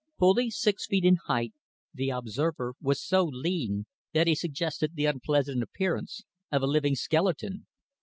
Fully six feet in height, the observer was so lean that he suggested the unpleasant appearance of a living skeleton.